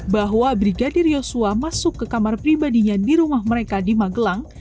bahwa brigadir yosua masuk ke kamar pribadinya di rumah mereka di magelang